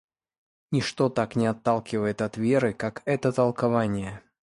Ничто так не отталкивает от веры, как это толкование.